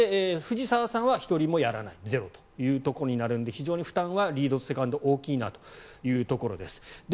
藤澤さんは１人もやらないゼロとなるので非常に負担はリードとセカンド大きいなというところです。